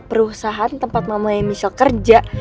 perusahaan tempat mamanya michelle kerja